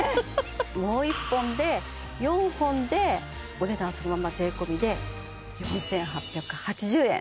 もう１本で４本でお値段そのまんま税込で４８８０円